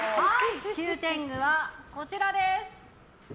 中天狗はこちらです。